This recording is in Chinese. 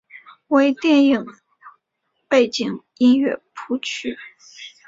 为电影背景音乐谱曲。